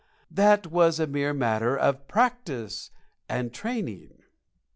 that was a mere matter of practice and training.